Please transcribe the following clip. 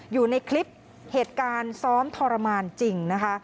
อยู่ในคลิปเหตุการณ์ซ้อมทรมานจริงนะคะ